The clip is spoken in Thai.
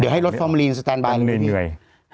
จะให้รถฟอร์มาลีนสแตนบายได้เลย